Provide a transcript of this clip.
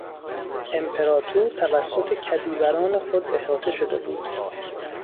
امپراطور توسط کدیوران خود احاطه شده بود.